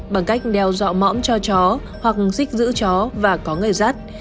bằng cách đeo dọa mõm cho chó hoặc xích giữ chó và có người dắt